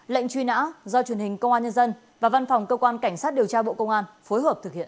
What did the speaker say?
lệnh truy nã do truyền hình công an nhân dân và văn phòng cơ quan cảnh sát điều tra bộ công an phối hợp thực hiện